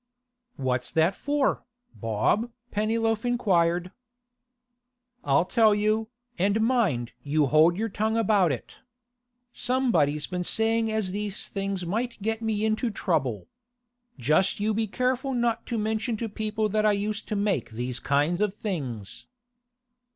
'What's that for, Bob?' Pennyloaf inquired. 'I'll tell you, and mind you hold your tongue about it. Somebody's been saying as these things might get me into trouble. Just you be careful not to mention to people that I used to make these kind of things.